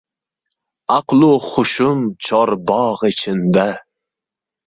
Aqlu hushim chorbog’ ichinda.